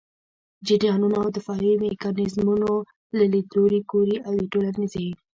جریانونو او دفاعي میکانیزمونو له لیدلوري ګوري او د ټولنيزې